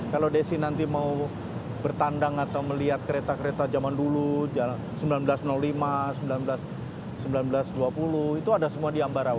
kalau desi nanti mau bertandang atau melihat kereta kereta zaman dulu seribu sembilan ratus lima seribu sembilan ratus dua puluh itu ada semua di ambarawa